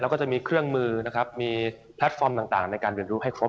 แล้วก็จะมีเครื่องมือนะครับมีแพลตฟอร์มต่างในการเรียนรู้ให้ครบ